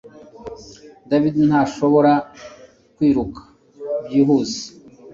David ntashobora kwiruka byihuse